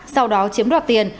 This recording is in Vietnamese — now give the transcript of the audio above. sau đó chiếm đoạt tiền